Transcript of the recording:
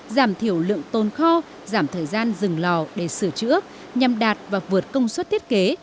giảm thiểu lượng tồn kho giảm thời gian dừng lò để sửa chữa nhằm đạt và vượt công suất thiết kế